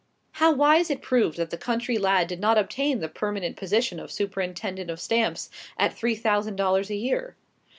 How wise it proved that the country lad did not obtain the permanent position of superintendent of stamps, at three thousand dollars a year!